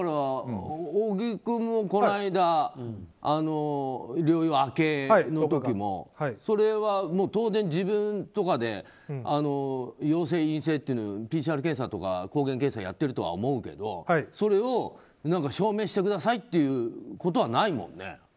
小木君もこの間、療養明けの時もそれは当然、自分とかで陽性・陰性というのをＰＣＲ検査とか抗原検査やってるとは思うけどそれを証明してくださいということはないもんね。